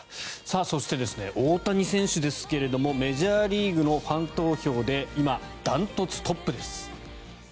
そして、大谷選手ですけどメジャーリーグのファン投票で今、断トツトップです。